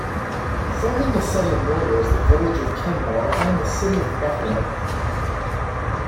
Forming the southern border is the village of Kenmore and the city of Buffalo.